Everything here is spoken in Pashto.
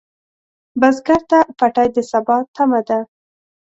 بزګر ته پټی د سبا تمه ده